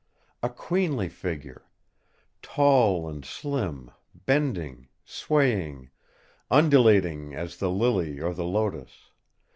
A queenly figure! tall and slim, bending, swaying, undulating as the lily or the lotos.